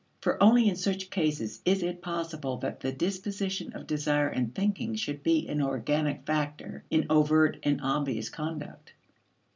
For only in such cases is it possible that the disposition of desire and thinking should be an organic factor in overt and obvious conduct.